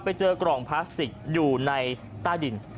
ไปเจอกล่องพลาสติกอยู่ในใต้ดิน